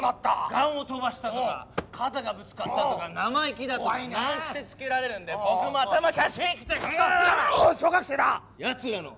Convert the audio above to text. ガンを飛ばしたとか肩がぶつかったとか生意気だとか難癖つけられるんで僕も頭カチーンきてこの野郎！